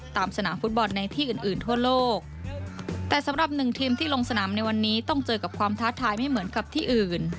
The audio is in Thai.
สนามฟุตบอลในที่อื่นอื่นทั่วโลกแต่สำหรับหนึ่งทีมที่ลงสนามในวันนี้ต้องเจอกับความท้าทายไม่เหมือนกับที่อื่น